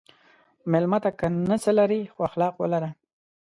مېلمه ته که نه څه لرې، خو اخلاق ولره.